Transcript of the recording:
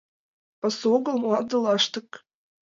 Пасу огыл, мланде лаштык.